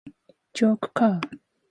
Georg Kr.